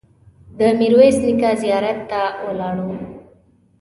د میرویس نیکه زیارت ته ولاړو.